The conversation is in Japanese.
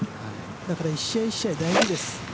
だから、１試合１試合大事です。